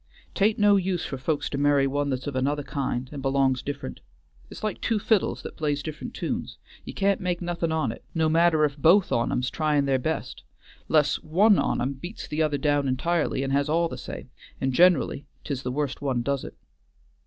'T ain't no use for folks to marry one that's of another kind and belongs different. It's like two fiddles that plays different tunes, you can't make nothin' on't, no matter if both on em's trying their best, 'less one on 'em beats the other down entirely and has all the say, and ginerally 't is the worst one does it.